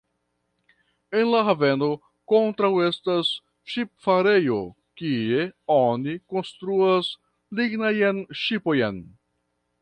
En la haveno ankoraŭ estas ŝipfarejo kie oni konstruas lignajn ŝipojn.